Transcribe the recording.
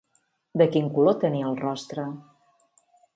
De quin color tenia el rostre?